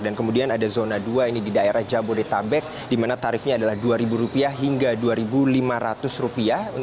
dan kemudian ada zona dua ini di daerah jabodetabek di mana tarifnya adalah rp dua hingga rp dua lima ratus